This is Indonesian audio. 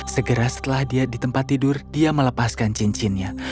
segera setelah dia di tempat tidur dia melepaskan cincinnya